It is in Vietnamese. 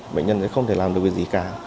bệnh nhân sẽ không thể làm được gì cả